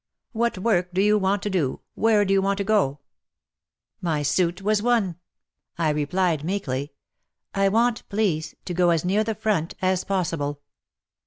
What work do you want to do ? Where do you want to go ?" My suit was won ! I replied meekly, " I want, please, to go as near the front as possible."